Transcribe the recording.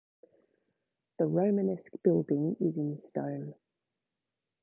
The Romanesque building is in stone.